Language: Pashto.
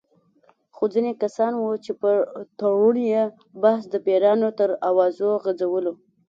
خو ځینې کسان وو چې پر تړون یې بحث د پیریانو تر اوازو غـځولو.